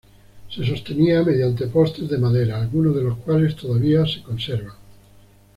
Se sostenía mediante postes de madera, algunos de los cuales todavía se conservan.